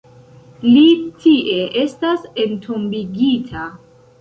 Li tie estas entombigita.